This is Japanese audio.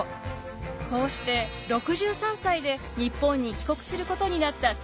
こうして６３歳で日本に帰国することになった雪洲。